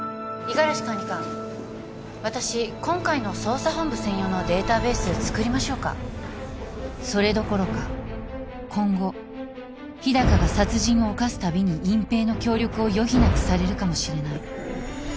今回の捜査本部専用のデータベース作りましょうかそれどころか今後日高が殺人を犯すたびに隠蔽の協力を余儀なくされるかもしれない